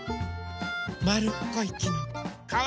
まるっこいきのこ。